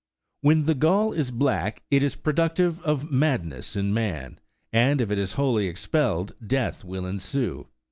When the gall is black, it is productive of madness in man, and if it is wholly expelled death will ensue.